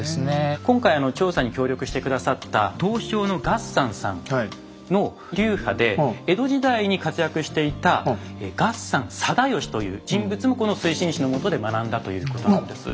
今回調査に協力して下さった刀匠の月山さんの流派で江戸時代に活躍していた月山貞吉という人物もこの水心子の下で学んだということなんです。